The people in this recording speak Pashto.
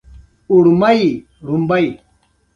ليمڅی له وړيو څخه جوړيږي.